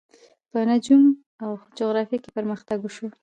په نجوم او جغرافیه کې پرمختګ وشو.